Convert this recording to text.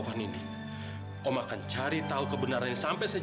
kak ibu ibigl sweety teman pak